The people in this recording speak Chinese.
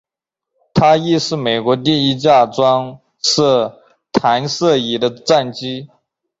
它亦是美国第一架装设弹射椅的战机。